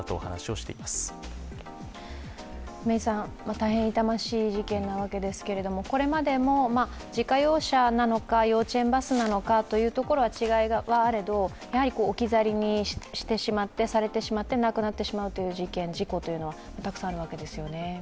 大変痛ましい事件なわけですけど、これまでも自家用車なのか幼稚園バスなのかというところは違いはあれど置き去りにされてしまって亡くなってしまう事件、事故というのはたくさんあるわけですね。